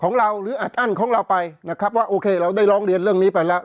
หรืออัดอั้นของเราไปนะครับว่าโอเคเราได้ร้องเรียนเรื่องนี้ไปแล้ว